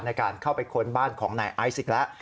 ในการเข้าไปค้นบ้านของนายไอซ์อีกแล้ว